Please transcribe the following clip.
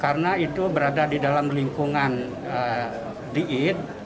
karena itu berada di dalam lingkungan diit